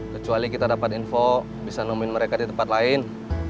kecuali kita dapat info bisa nemuin mereka di tempat lain